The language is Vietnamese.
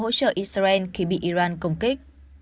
tổng thống ukraine đã hỗ trợ israel khi bị iran công kích